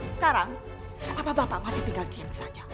sekarang apa bapak masih tinggal diam saja